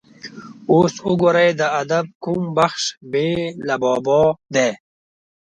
اوس وګورئ د ادب کوم بخش بې له بابا دی.